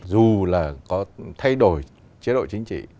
dù là có thay đổi chế độ chính trị